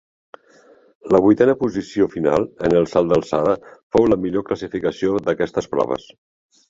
La vuitena posició final en el salt d'alçada fou la millor classificació d'aquestes proves.